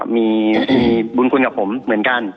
มีบุญคุณกับผมเหมือนกัน